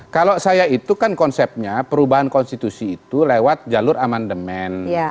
kalau saya itu kan konsepnya perubahan konstitusi itu lewat jalur amandemen